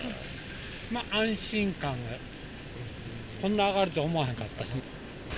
まあ安心感が、こんな上がるとは思わへんかった。